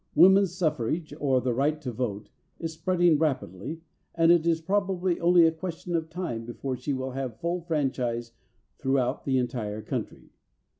Woman's suffrage, or the right to vote, is spreading rapidly, and it is probably only a question of time before she will have full franchise throughout the entire country.